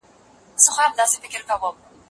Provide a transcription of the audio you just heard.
تا کاسه خپله وهلې ده په لته